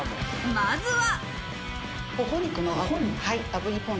まずは。